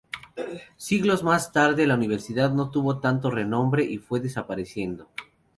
Siglos más tarde la universidad no tuvo tanto renombre y fue desapareciendo.